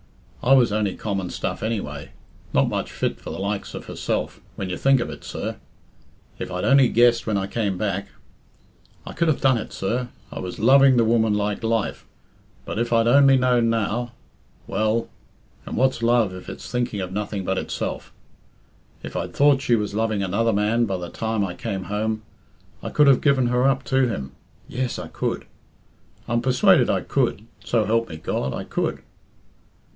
I was only common stuff anyway... not much fit for the likes of herself, when you think of it, sir.... If I'd only guessed when I came back.... I could have done it, sir I was loving the woman like life, but if I'd only known, now.... Well, and what's love if it's thinking of nothing but itself? If I'd thought she was loving another man by the time I came home, I could have given her up to him yes, I could; I'm persuaded I could so help me God, I could."